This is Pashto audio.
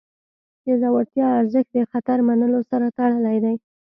د زړورتیا ارزښت د خطر منلو سره تړلی دی.